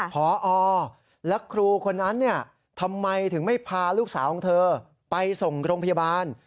พอและครูคนนั้นทำไมถึงไม่พาลูกสาวของเธอไปส่งโรงพยาบาล